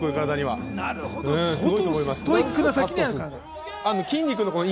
相当すごいと思います。